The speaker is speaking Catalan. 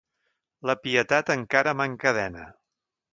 La Pietat encara m'encadena.